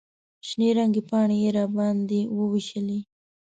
شنې رنګې پاڼې یې راباندې ووېشلې.